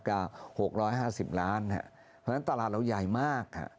เพราะฉะนั้นตลาดเราใหญ่มากค่ะ